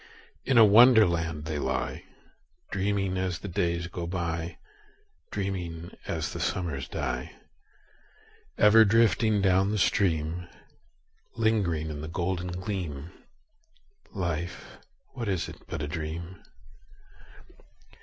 In a Wonderland they lie, Dreaming as the days go by, Dreaming as the summers die: Ever drifting down the stream— Lingering in the golden gleam— Life, what is it but a dream?